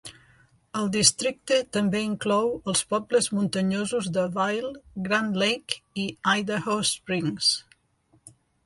El districte també inclou els pobles muntanyosos de Vail, Grand Lake i Idaho Springs.